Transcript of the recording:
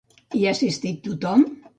Hi ha assistit tothom?